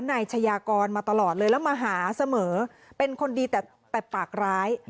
นายชายากรมาตลอดเลยแล้วมาหาเสมอเป็นคนดีแต่ปากร้าย